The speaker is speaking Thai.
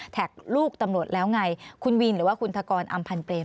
ลูกตำรวจแล้วไงคุณวินหรือว่าคุณทกรอำพันเปรม